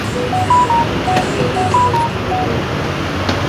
Continuamente lo descubre todo.